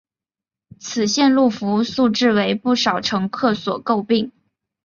此路线服务质素为不少乘客所诟病。